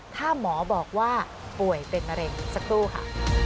ถ้าหมอบอกว่าป่วยเป็นมะเร็งสักครู่ค่ะ